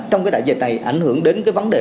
trong cái đại dịch này ảnh hưởng đến cái vấn đề